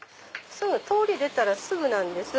通り出たらすぐなんです。